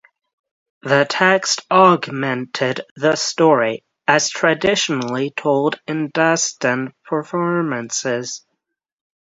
The text augmented the story, as traditionally told in dastan performances.